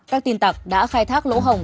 các tin tặc đã khai thác lỗ hồng